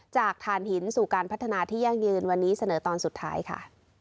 ถ่านหินสู่การพัฒนาที่ยั่งยืนวันนี้เสนอตอนสุดท้ายค่ะ